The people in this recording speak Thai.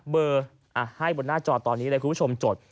เบอร์ให้บนหน้าจอตอนนี้เลยคุณผู้ชมจด